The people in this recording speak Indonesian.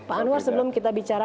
pak anwar sebelum kita bicara